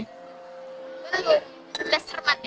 tidak sudah sermat ya